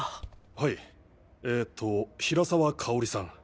はいえっと平沢香さん。